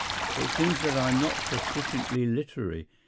It seems that I am not sufficiently literary.